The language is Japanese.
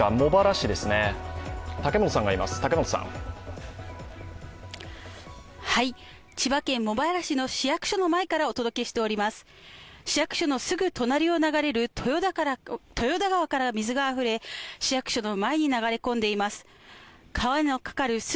市役所のすぐそばを流れる川から水があふれ市役所の前に流れ込んでいます。